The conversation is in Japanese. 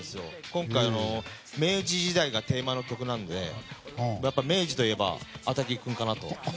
今回、明治時代がテーマの曲なので明治といえばａｔａｇｉ君かなと。